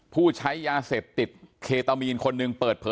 ผู้ใช้ยาเสพติดเคตามีนคนหนึ่งเปิดเผย